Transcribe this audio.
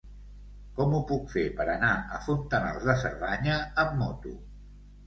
Com ho puc fer per anar a Fontanals de Cerdanya amb moto?